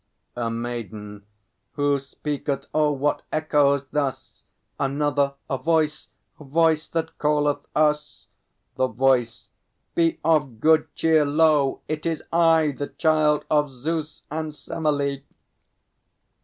A MAIDEN. Who speaketh? Oh, what echoes thus? ANOTHER. A Voice, a Voice, that calleth us! THE VOICE. Be of good cheer! Lo, it is I, The Child of Zeus and Semelê.